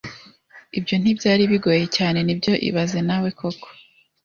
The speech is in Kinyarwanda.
Ibyo ntibyari bigoye cyane, nibyo ibaze nawe koko